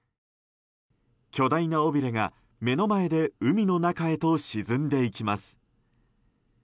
巨大な尾びれが目の前で海の中へと沈んでいきます。